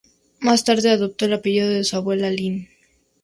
Más tarde, adoptó el apellido de su abuela, Lynn.